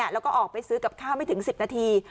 แล้วก็ออกไปซื้อกับข้าวไม่ถึง๑๐นาที